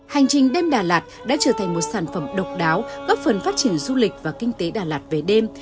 hành trình đêm đà lạt đã trở thành một sản phẩm độc đáo góp phần phát triển du lịch và kinh tế đà lạt về đêm